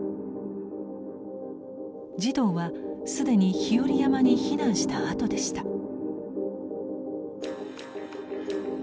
児童は既に日和山に避難したあとでした。